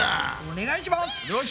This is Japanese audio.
お願いします！